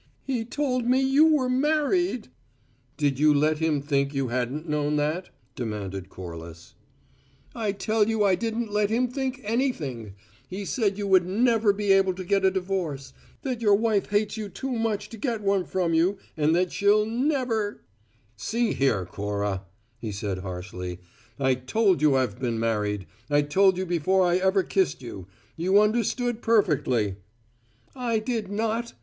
"He told me you were married " "Did you let him think you hadn't known that?" demanded Corliss. "I tell you I didn't let him think anything! He said you would never be able to get a divorce: that your wife hates you too much to get one from you, and that she'll never " "See here, Cora," he said harshly, "I told you I'd been married; I told you before I ever kissed you. You understood perfectly " "I did not!